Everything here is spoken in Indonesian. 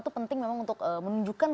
itu penting memang untuk menunjukkan